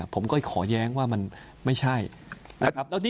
ผมก็ขอแย้งว่ามันไม่ใช่นะครับ